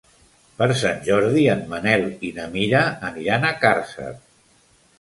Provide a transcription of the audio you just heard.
Per Sant Jordi en Manel i na Mira aniran a Càrcer.